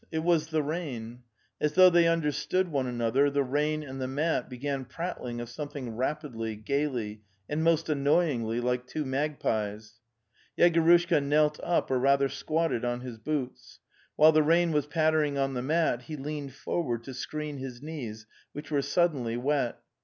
It was the rain. As though they understood one another, the rain and the mat began prattling of something rapidly, gaily and most annoyingly like two magpies. Yegorushka knelt up or rather squatted on his boots. While the rain was pattering on the mat, he leaned forward to screen his knees, which were sud denly wet.